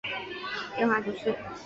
古尔比人口变化图示